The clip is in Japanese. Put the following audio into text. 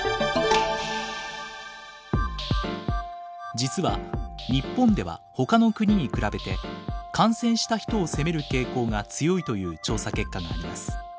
実は日本ではほかの国に比べて感染した人を責める傾向が強いという調査結果があります。